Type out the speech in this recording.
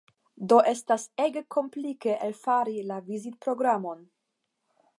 Do estas ege komplike elfari la vizitprogramon.